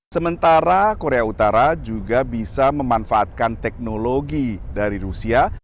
sementara korea utara juga bisa memanfaatkan teknologi dari rusia